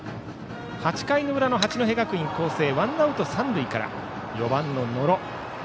８回の裏の八戸学院光星ワンアウト三塁から、４番の野呂。